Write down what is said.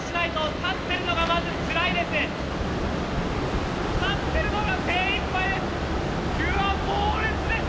立ってるのが精いっぱいです。